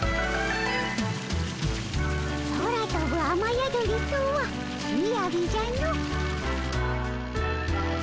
空とぶあまやどりとはみやびじゃの。